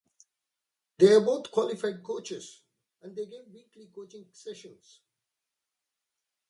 They are both qualified coaches and they give weekly coaching sessions.